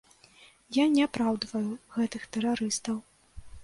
Я не апраўдваю гэтых тэрарыстаў.